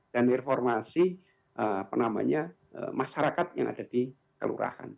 dan reformasi masyarakat yang ada di kalurahan